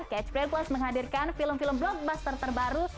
catch play plus menghadirkan film film blockbuster terbaru